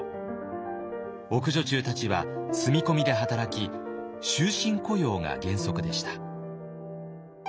奥女中たちは住み込みで働き終身雇用が原則でした。